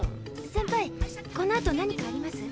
センパイこのあと何かあります？